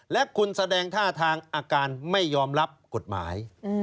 และคุณแสดงท่าทางอาการไม่ยอมรับกฎหมาย